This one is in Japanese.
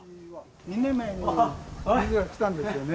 ２年前にも水が来たんですよね。